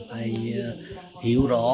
phải hiểu rõ